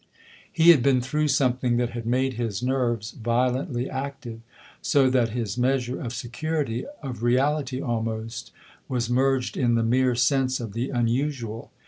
He had been through something that had made his nerves violently active, so that his measure of security, of reality almost, was merged in the mere sense of the unusual.